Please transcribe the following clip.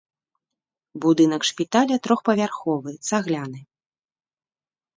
Будынак шпіталя трохпавярховы, цагляны.